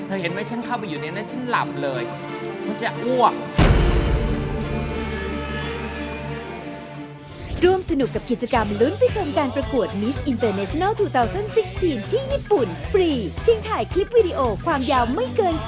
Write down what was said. เธอเห็นไหมฉันเข้าไปอยู่นี้แล้วฉันหลับเลย